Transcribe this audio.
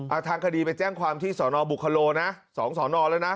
เอาทางคดีไปแจ้งความที่สอนอบุคโลนะสองสอนอแล้วนะ